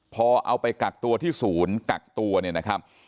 พอเอาไปกักตัวที่ศูนย์กักตัวเนี่ยนะครับ